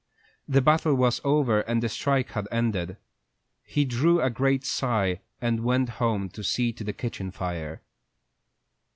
The battle was over and the strike was ended. He drew a great sigh, and went home to see to the kitchen fire.